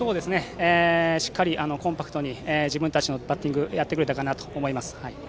しっかりコンパクトに自分たちのバッティングをやってくれたかなと思います。